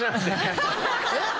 えっ？